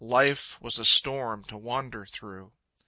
Life was a storm to wander through.